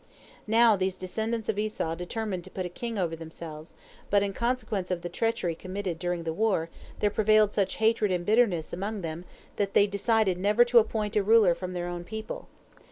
Now these descendants of Esau determined to put a king over themselves, but in consequence of the treachery committed during the war there prevailed such hatred and bitterness among them that they decided never to appoint a ruler from their own people.